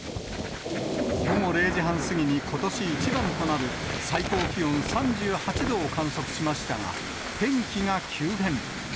午後０時半過ぎにことし一番となる最高気温３８度を観測しましたが、天気が急変。